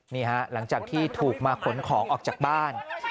นี่ฮะหลังจากที่ถูกมาขนของออกจากบ้าน